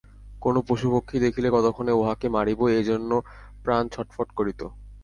কোন পশুপক্ষী দেখিলে কতক্ষণে উহাকে মারিব, এই জন্য প্রাণ ছটফট করিত।